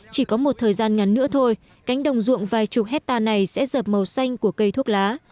chỉ có một thời gian ngắn nữa thôi cánh đồng ruộng vài chục hectare này sẽ dợp màu xanh của cây thuốc lá